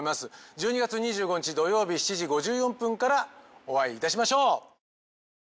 １２月２５日土曜日７時５４分からお会いいたしましょう！